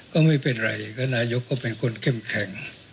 ก็ไม่เป็นไรก็นายกก็เป็นคนเข้มแข็ง